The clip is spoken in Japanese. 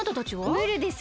ムールです。